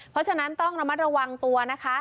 เพราะฉะนั้นต้องระมัดระวังตัวนะคะ